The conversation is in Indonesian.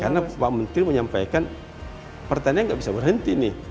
karena pak menteri menyampaikan pertanian tidak bisa berhenti